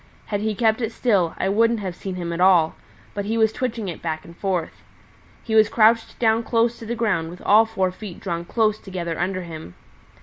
Had he kept it still I wouldn't have seen him at all; but he was twitching it back and forth. He was crouched down close to the ground with all four feet drawn close together under him.